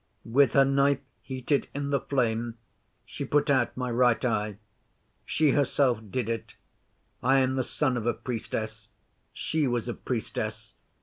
With her knife heated in the flame she put out my right eye. She herself did it. I am the son of a Priestess. She was a Priestess.